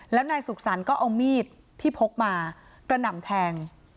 แล้วนายสุขสรรค์ก็เอามีดที่พกมากระหน่ำแทง